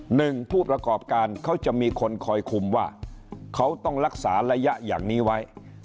หนึ่งผู้ประกอบการเขาจะมีคนคอยคุมว่าเขาต้องรักษาระยะอย่างนี้ไว้